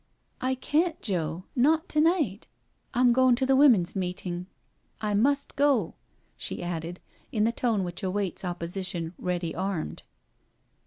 " I can't, Joe—not to night. ... I'm goin' to the women's meeting— I must go," she added, in the tone which awaits opposition ready armed.